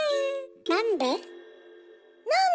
なんで？